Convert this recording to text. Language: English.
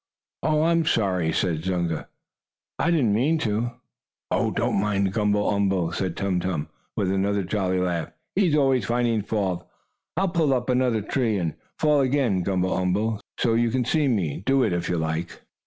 "Oh, I'm sorry," said Zunga. "I didn't mean to." "Oh, don't mind Gumble umble," said Tum Tum, with another jolly laugh. "He's always finding fault. I'll pull up another tree, and fall again, Gumble umble, so you can see me do it, if you like."